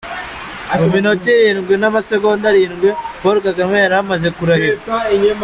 Mu minota irindwi n’amasegonda arindwi, Paul Kagame yari amaze kurahira.